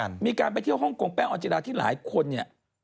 มีการไปเที่ยวฮ่องกงแป้งออนจิราที่หลายคนเนี่ย